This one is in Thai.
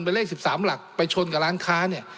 เป็นเลข๑๓หลักไปชนกับร้านค้าเนี่ย